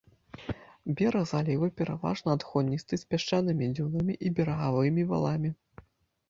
Бераг заліва пераважна адхоністы з пясчанымі дзюнамі і берагавымі валамі.